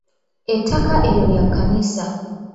Ettaka eryo lya kkanisa